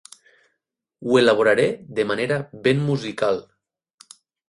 Ho elaboraré de manera ben musical.